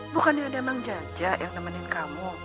bukannya ada emang jajak yang nemenin kamu